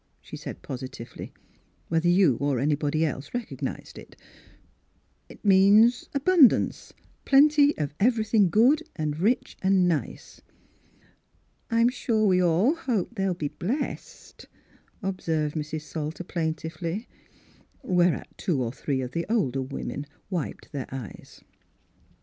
" she said positively, " whether you or anybody else recognised it. It — it means abundance — plenty of everything good and rich and nice!" " I'm sure we all hope they'll be blessed," observed Mrs. Salter plaintively. Whereat two or three of the older women wiped their eyes.